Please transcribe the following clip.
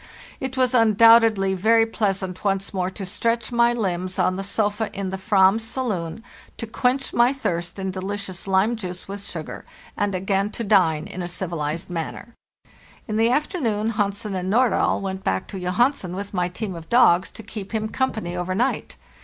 "Tt was undoubtedly very pleasant once more to stretch my limbs on the sofa in the /vam's saloon, to quench my thirst in delicious lime juice with sugar, and again to dine in a civilized manner. In the afternoon Hansen and Nordahl went back to Johansen with my team of dogs, to keep him company overnight.